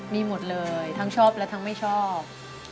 มีหมดเลยทั้งชอบและทั้งไม่ชอบ